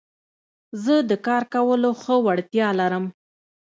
زه د کار کولو ښه وړتيا لرم.